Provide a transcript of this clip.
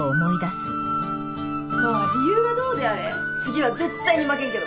まあ理由がどうであれ次は絶対に負けんけど。